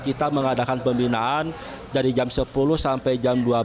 kita mengadakan pembinaan dari jam sepuluh sampai jam dua belas